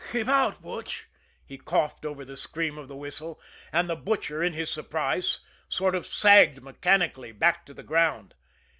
"Keep out, Butch!" he coughed over the scream of the whistle and the Butcher in his surprise sort of sagged mechanically back to the ground.